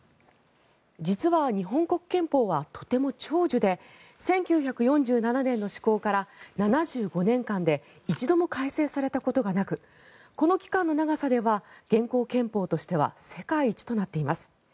実は日本国憲法はとても長寿で１９４７年の施行から７５年間で一度も改正されたことがなくこの期間の長さでは現行憲法としては世界一となっています。